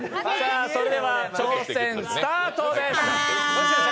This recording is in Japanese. それでは挑戦スタートです。